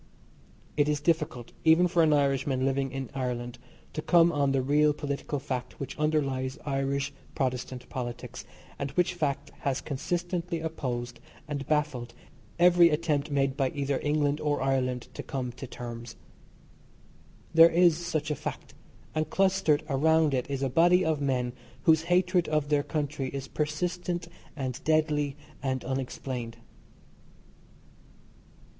It is difficult, even for an Irishman living in Ireland, to come on the real political fact which underlies Irish Protestant politics, and which fact has consistently opposed and baffled every attempt made by either England or Ireland to come to terms. There is such a fact, and clustered around it is a body of men whose hatred of their country is persistent and deadly and unexplained.